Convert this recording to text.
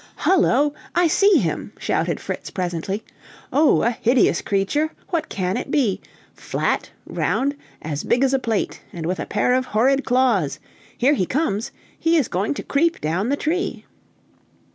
"Hullo! I see him!" shouted Fritz presently. "Oh, a hideous creature! what can it be? flat, round, as big as a plate, and with a pair of horrid claws! Here he comes! He is going to creep down the tree!"